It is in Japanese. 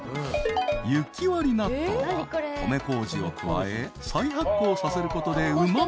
［雪割納豆は米こうじを加え再発酵させることでうま味を濃縮。